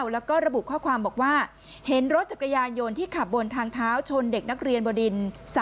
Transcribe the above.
แล้วก็ระบุข้อความบอกว่าเห็นรถจักรยานยนต์ที่ขับบนทางเท้าชนเด็กนักเรียนบดิน๓